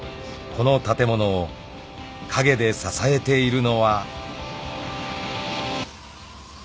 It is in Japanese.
［この建物を陰で支えているのは］